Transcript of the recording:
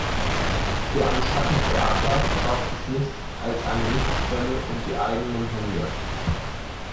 Für ein Schattentheater braucht es nichts als eine Lichtquelle und die eigenen Hände.